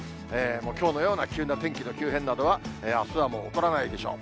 きょうのような急な天気の急変などはあすはもう起こらないでしょう。